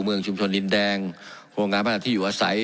เมืองชุมชนดินแดงโครงการพัฒนาที่อยู่อาศัย